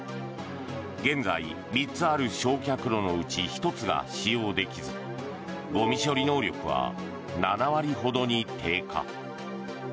現在、３つある焼却炉のうち１つが使用できずゴミ処理能力は７割ほどに低下。